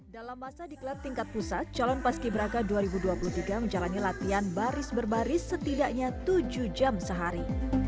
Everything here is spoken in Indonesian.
dalam masa diklat tingkat pusat calon paski braka dua ribu dua puluh tiga menjalani latihan baris berbaris setidaknya tujuh jam sehari